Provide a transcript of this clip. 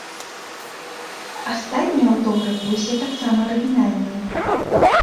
Астатнія аўтографы ўсе таксама арыгінальныя.